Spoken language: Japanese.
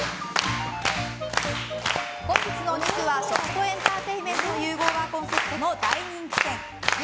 本日のお肉は食とエンターテインメントの融合がコンセプトの大人気店牛